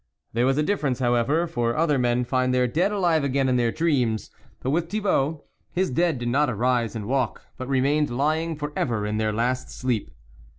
There was a difference, however, for other men find their dead alive again in their dreams ; but with Thibault, his dead did not arise and walk, but remained lying for ever in their last sleep.